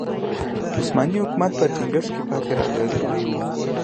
عثماني حکومت په ټینګښت کې پاتې راغلی و.